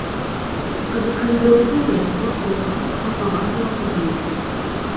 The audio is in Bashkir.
Ҡыҙыҡһындырыу түгел, борсоуға, хафаға һала торғандыр.